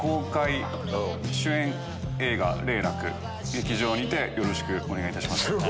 劇場にてよろしくお願いいたします。